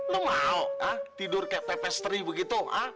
lo mau tidur kayak pepesteri begitu ya